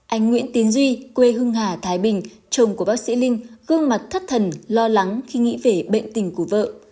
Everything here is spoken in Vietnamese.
anh nguyễn tiến duy quê hương hà thái bình chồng của bác sĩ linh gương mặt thất thần lo lắng khi nghĩ về bệnh tình của vợ